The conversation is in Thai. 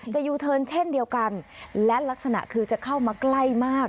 ยูเทิร์นเช่นเดียวกันและลักษณะคือจะเข้ามาใกล้มาก